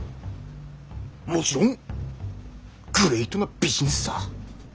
もちろんグレイトなビジネスさ。